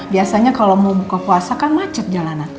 biasanya kalau mau buka puasa kan macet jalanan